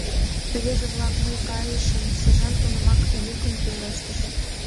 — Рвезе-влак, мый кайышым, — сержант тунамак йӱкын пелештыш.